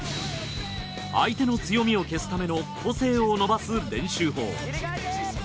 相手の強みを消すための個性を伸ばす練習法。